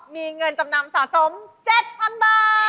มีเงินจำนำสะสม๗๐๐๐บาท